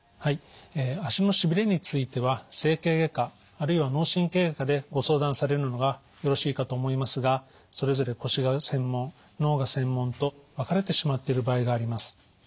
足のしびれについては整形外科あるいは脳神経外科でご相談されるのがよろしいかと思いますがそれぞれ腰が専門脳が専門と分かれてしまっている場合があります。